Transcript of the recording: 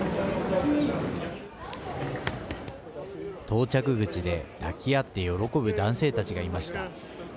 到着口で抱き合って喜ぶ男性たちがいました。